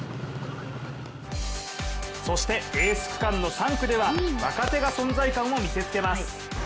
そしてエース区間の３区では若手が存在感を見せつけます。